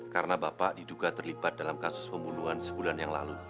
karena bapak diduga terlibat dalam kasus pembunuhan sebulan yang lalu